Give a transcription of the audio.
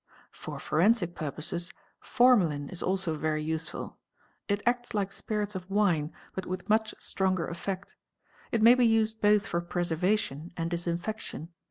For forensic purposes formalin is also very useful. It acts like tits of wine but with much stronger effect. It may be used both for servation and disinfection.